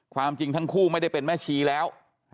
ความจริงทั้งคู่ไม่ได้เป็นแม่ชีแล้ว